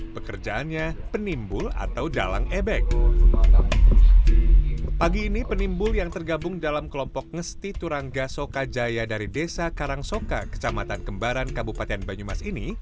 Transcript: pada pagi ini penimbul yang tergabung dalam kelompok ngesti turangga sokajaya dari desa karangsoka kecamatan kembaran kabupaten banyumas ini